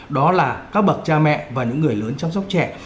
đó là các bậc cha mẹ và những người lớn chăm sóc trẻ